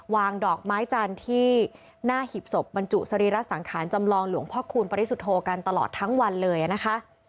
วางดอกไม้จันทร์ที่หน้าหีบศพบรรจุสรีระสังขารจำลองหลวงพ่อคูณปริสุทธโธกันตลอดทั้งวันเลยนะคะ